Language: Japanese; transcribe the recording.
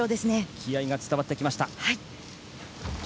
気合が伝わってきました。